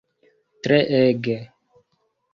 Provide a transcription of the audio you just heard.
treege